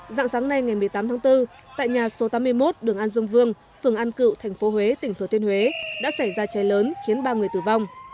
dạng sáng nay ngày một mươi tám tháng bốn tại nhà số tám mươi một đường an dương vương phường an cựu thành phố huế tỉnh thừa thiên huế đã xảy ra cháy lớn khiến ba người tử vong